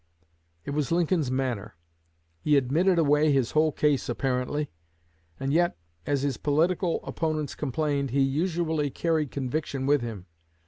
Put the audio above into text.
It was Lincoln's manner. He admitted away his whole case apparently and yet, as his political opponents complained, he usually carried conviction with him.